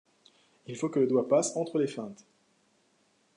Il faut que le doigt passe entre les feintes.